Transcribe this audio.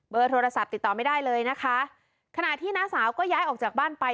โทรศัพท์ติดต่อไม่ได้เลยนะคะขณะที่น้าสาวก็ย้ายออกจากบ้านไป